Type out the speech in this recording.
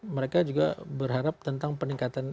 mereka juga berharap tentang peningkatan